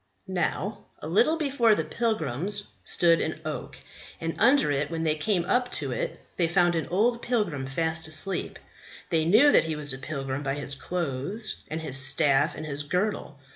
"Now, a little before the pilgrims stood an oak, and under it when they came up to it they found an old pilgrim fast asleep; they knew that he was a pilgrim by his clothes and his staff and his girdle.